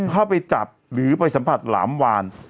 เข้าไปจับหรือไปสัมผัสหลามวาน